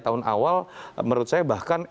tahun awal menurut saya bahkan